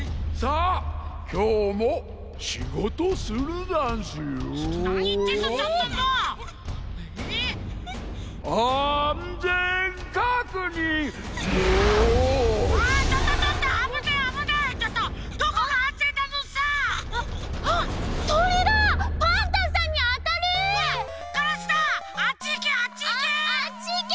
あっちいけ！